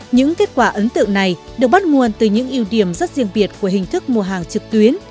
những kết quả ấn tượng này được bắt nguồn từ những ưu điểm rất riêng biệt của hình thức mua hàng trực tuyến